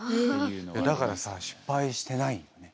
だからさ失敗してないよね。